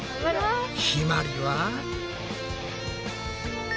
ひまりは。